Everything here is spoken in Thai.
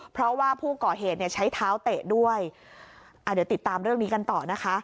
เพราะว่าผู้ก่อเหตุเนี่ยใช้เท้าเตะด้วยอ่าเดี๋ยวติดตามเรื่องนี้กันต่อนะคะ